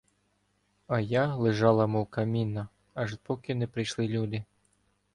А я лежала мов камінна, аж поки не прийшли люди.